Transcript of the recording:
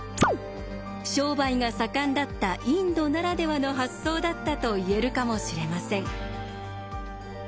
商売が盛んだったインドならではの発想だったと言えるかもしれません。